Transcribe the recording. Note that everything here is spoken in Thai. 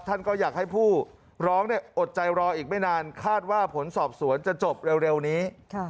ท่านก็อยากให้ผู้ร้องอดใจรออีกไม่นานคาดว่าผลสอบสวนจะจบเร็วนี้